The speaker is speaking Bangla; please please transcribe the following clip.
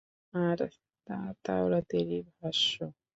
আর তা তাওরাতেরই ভাষ্য।